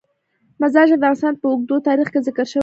مزارشریف د افغانستان په اوږده تاریخ کې ذکر شوی دی.